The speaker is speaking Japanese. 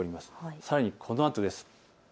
さらにこのあとです。